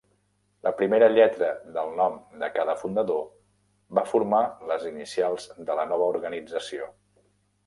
La primera lletra del nom de cada fundador va formar les inicials de la nova organització.